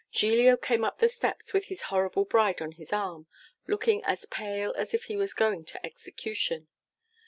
Giglio came up the steps with his horrible bride on his arm, looking as pale as if he was going to execution.